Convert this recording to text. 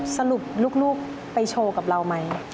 สรุปลูกไปโชว์กับเราไหม